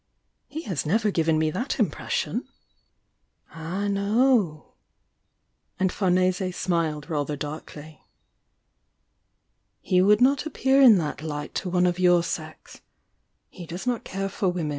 'He has never given me that im pression." "Ah, no!" and Farnese smiled rather darkly. "He would not appear in thpt light to one of your sex. He does not care for wor.